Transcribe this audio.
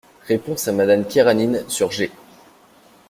Réponse à Madame Karénine sur G.